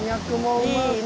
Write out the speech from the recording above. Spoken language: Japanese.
いいね。